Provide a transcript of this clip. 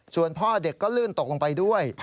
ส่วนพ่อเด็กก็ลื่นตกลงไปด้วย